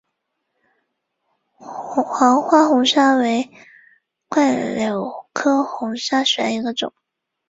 黄花红砂为柽柳科红砂属下的一个种。